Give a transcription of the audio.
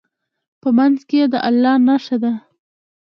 په منځ کې یې د الله نښه ده.